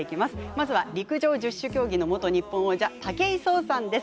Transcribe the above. まず、陸上十種競技の元日本王者武井壮さんです。